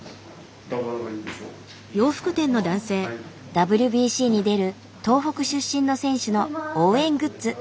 ＷＢＣに出る東北出身の選手の応援グッズ。